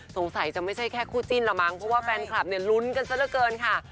สงสัยจะไม่ใช่แค่คู่จิ้นละมั้งเพราะว่าแฟนคลับเนี่ยลุ้นกันซะละเกินค่ะ